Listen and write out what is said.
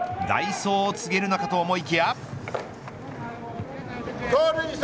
代走を告げるのかと思いきや。